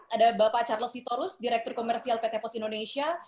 ada bapak charles sitorus direktur komersial pt pos indonesia